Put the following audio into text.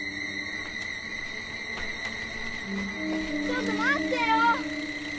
ちょっと待ってよ。